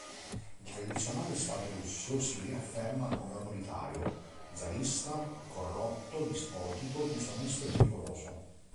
Il tradizionale stato russo si riafferma come autoritario, zarista, corrotto, dispotico, disonesto e pericoloso.